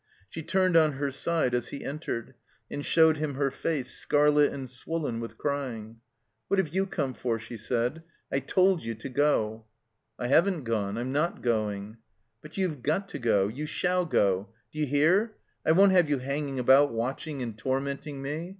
She turned on her side as he entered, and showed him her face scarlet and swollen with crying. "What have you come for?" she said. "I told you to go." ?i6 THE COMBINED MAZE "I haven't gone. I'm not going." *'But you've got to go. You shall go. D'you hear? I won't have you hanging about, watching and tonnenting me.